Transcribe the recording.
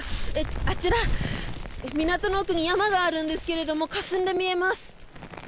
あちら、港の奥に山があるんですけれどもかすんで見えます。